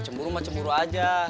cemburu mah cemburu aja